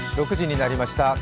６時になりました。